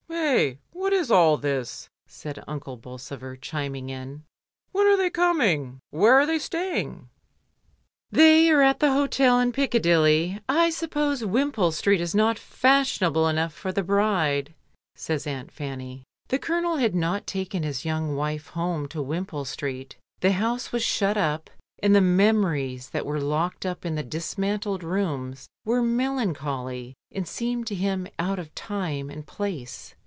"Hey! what is all this?" said Uncle Bolsover, chiming in. "When are they coming? Where are they sta)ring?" "They are at an hotel in Piccadilly. I suppose Wimpole Street is not fashionable enough for the bride," says Aunt Fanny. The ^Colonel had not taken his young wife home to Wimpole Street, the house was shut up, and the memories that were locked up in the dismantled rooms were melancholy and seemed to him out of time and place.